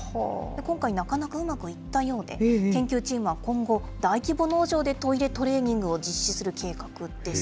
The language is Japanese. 今回、なかなかうまくいったようで、研究チームは今後、大規模農場でトイレトレーニングを実施する計画です。